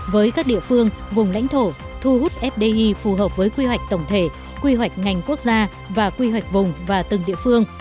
với các địa phương vùng lãnh thổ thu hút fdi phù hợp với quy hoạch tổng thể quy hoạch ngành quốc gia và quy hoạch vùng và từng địa phương